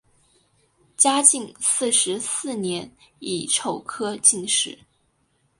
嘉靖四十四年乙丑科进士。